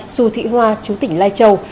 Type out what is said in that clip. xu thị hoa chú tỉnh lai châu